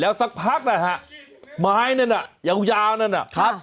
แล้วสักพักนะฮะไม้นั้นอ่ะยาวนั่นอ่ะ